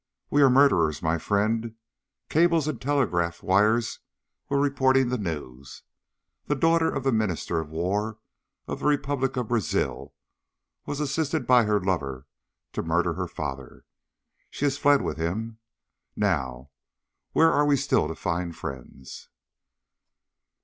We are murderers, my friend. Cables and telegraph wires are reporting the news. The daughter of the Minister of War of the Republic of Brazil was assisted by her lover to murder her father. She has fled with him. Now where are we still to find friends?"